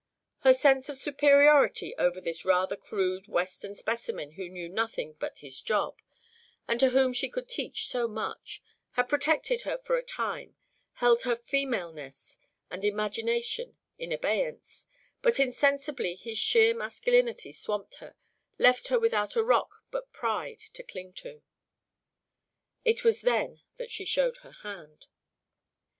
Her sense of superiority over this "rather crude Western specimen who knew nothing but his job," and to whom she could teach so much, had protected her for a time, held her femaleness and imagination in abeyance, but insensibly his sheer masculinity swamped her, left her without a rock but pride to cling to. It was then that she showed her hand.